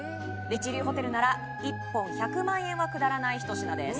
一流ホテルなら１本１００万円は下らないひと品です